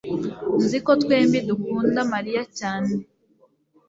nzi ko twembi dukunda mariya cyane